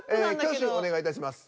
挙手お願いいたします。